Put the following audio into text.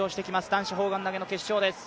男子砲丸投の決勝です。